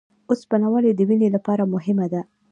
اوسپنه ولې د وینې لپاره مهمه ده؟